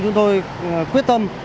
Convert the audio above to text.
chúng tôi quyết tâm